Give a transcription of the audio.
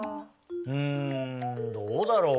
うんどうだろう？